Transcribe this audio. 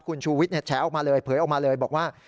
คุณชูวิทย์แฉออกมาเลยเผยออกมาเลยบอกว่า